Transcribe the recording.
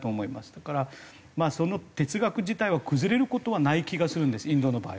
だからその哲学自体は崩れる事はない気がするんですインドの場合。